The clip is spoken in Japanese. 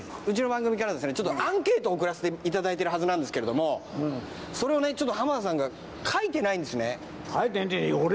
うちの番組からアンケートを送らせていただいてるはずなんですけどそれをねちょっと浜田さんが書いてないんですね書いてねえよ